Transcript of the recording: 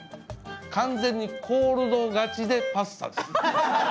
完全にコールド勝ちでパスタです。